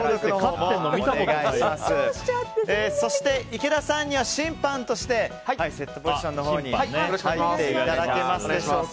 そしていけださんには審判としてセットポジションのほうに入っていただきます。